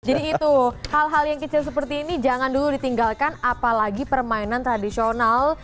jadi itu hal hal yang kecil seperti ini jangan dulu ditinggalkan apalagi permainan tradisional